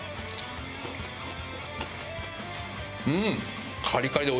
うん！